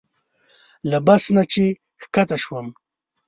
له بس نه چې ښکته شوم.